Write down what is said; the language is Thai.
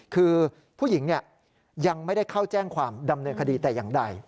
คือผู้หญิงยังไม่ได้เข้าแจ้งความดำเนินคดีแต่อย่างใด